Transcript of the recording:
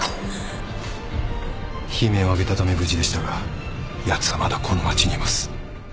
悲鳴を上げたため無事でしたがやつはまだこの街にいます。